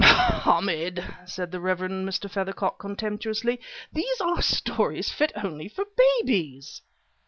"Mohammed," said the Rev. Mr. Feathercock contemptuously, "these are stories fit only for babies."